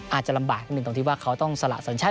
อาจจะลำบากนิดหนึ่งตรงที่ว่าเขาต้องสละสัญชาติ